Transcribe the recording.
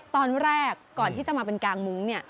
ตอนแรกก่อนที่จะมาเป็นกางมุ้งเนี่ย